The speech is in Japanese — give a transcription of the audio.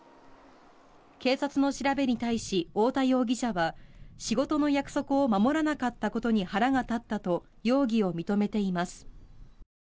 警察の調べに対し太田容疑者は仕事の約束を守らなかったことに腹が立ったと容疑を認めています。